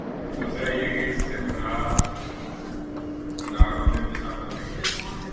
دوسرا یہ کہ اس سے مراد اداروں میں تصادم نہیں ہے۔